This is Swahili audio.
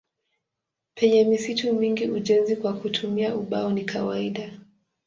Penye misitu mingi ujenzi kwa kutumia ubao ni kawaida.